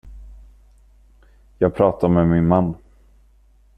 Jag pratar med min man.